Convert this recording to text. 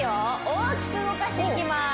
大きく動かしていきます